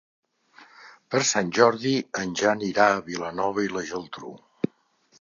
Per Sant Jordi en Jan irà a Vilanova i la Geltrú.